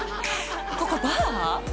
ここ、バー？